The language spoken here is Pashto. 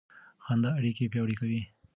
خندا اړیکې پیاوړې کوي.